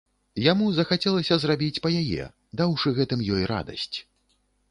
Яму захацелася зрабіць па яе, даўшы гэтым ёй радасць.